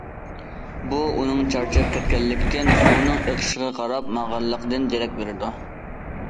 بۇ، ئۇنىڭ چارچاپ كەتكەنلىكتىن سۇنىڭ ئېقىشىغا قاراپ ماڭغانلىقىدىن دېرەك بېرىدۇ.